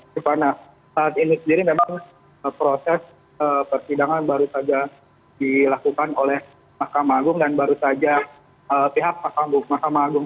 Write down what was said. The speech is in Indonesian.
saat ini sendiri memang proses persidangan baru saja dilakukan oleh mahkamah agung dan baru saja pihak mahkamah agung